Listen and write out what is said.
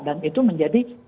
dan itu menjadi